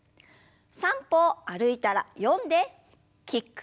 ３歩歩いたら４でキック。